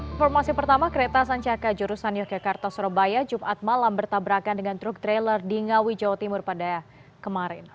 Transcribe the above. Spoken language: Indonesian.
informasi pertama kereta sancaka jurusan yogyakarta surabaya jumat malam bertabrakan dengan truk trailer di ngawi jawa timur pada kemarin